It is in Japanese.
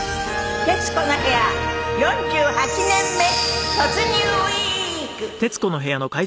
『徹子の部屋』４８年目突入ウィーク！